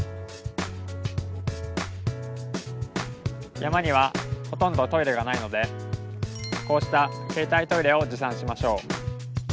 山にはほとんどトイレがないのでこうした携帯トイレを持参しましょう。